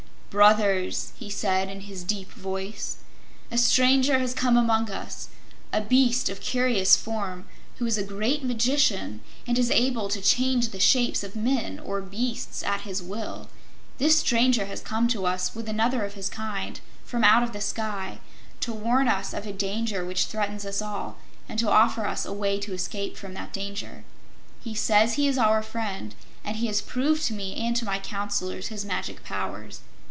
"Brothers," he said in his deep voice, "a stranger has come among us, a beast of curious form who is a great magician and is able to change the shapes of men or beasts at his will. This stranger has come to us, with another of his kind, from out of the sky, to warn us of a danger which threatens us all, and to offer us a way to escape from that danger. He says he is our friend, and he has proved to me and to my Counselors his magic powers.